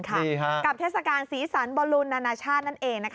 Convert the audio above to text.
ค่ะดีค่ะกับเทศกาลสีสันบอลลูนอาชาตินั่นเอง